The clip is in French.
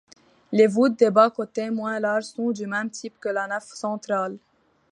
Les voûtes des bas-côtés moins larges sont du même type que la nef centrale.